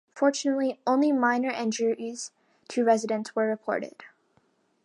Fortunately only minor injuries to residents were reported.